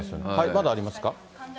まだありますか？